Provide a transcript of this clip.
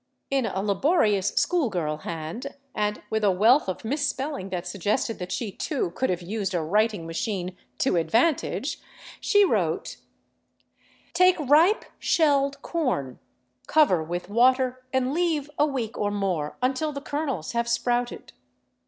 In a laborious school girl hand, and with a wealth of misspelling that suggested that she, too, could have used a " writing machine " to ad vantage, she wrote :" Take ripe, shelled corn, cover with water and leave a week or more until the kernels have sprouted.